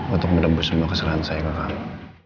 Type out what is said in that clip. untuk menembus semua kesalahan saya ke kami